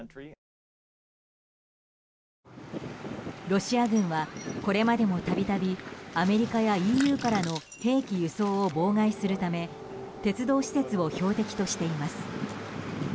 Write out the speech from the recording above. ロシア軍は、これまでも度々アメリカやＥＵからの兵器輸送を妨害するため鉄道施設を標的としています。